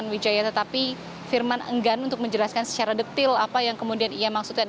wijaya tetapi firman enggan untuk menjelaskan secara detil apa yang kemudian ia maksudkan